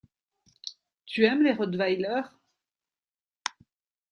Tu aimes les rottweiler?